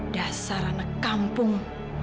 dasar anak kampung